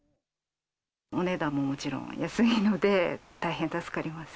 お値段ももちろん安いので、大変助かります。